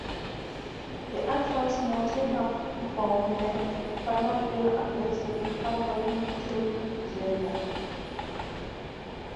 The Adrar's mountains are from the primary era against the precambrian Tiris Zemmour.